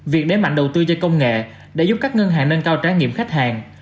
việc đế mạnh đầu tư cho công nghệ đã giúp các ngân hàng nâng cao trải nghiệm khách hàng